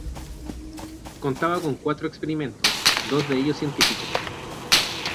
Contaba con cuatro experimentos, dos de ellos científicos.